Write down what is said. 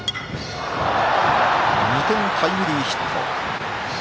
２点タイムリーヒット。